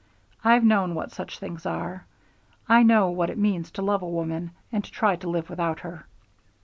I've known what such things are I know what it means to love a woman, and to try to live without her."